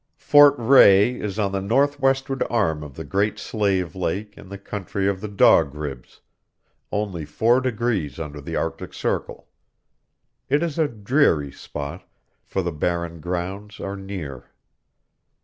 Fort Rae is on the northwestward arm of the Great Slave Lake in the country of the Dog Ribs, only four degrees under the Arctic Circle. It is a dreary spot, for the Barren Grounds are near.